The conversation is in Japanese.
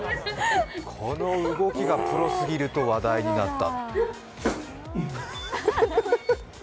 この動きがプロすぎると話題になった。